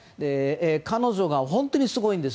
彼女が本当にすごいんです。